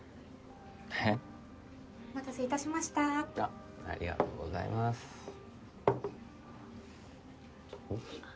えっ？お待たせいたしましたありがとうございますうん？